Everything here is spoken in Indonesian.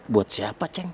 buat siapa ceng